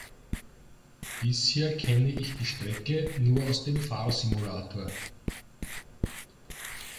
Bisher kenne ich die Strecke nur aus dem Fahrsimulator.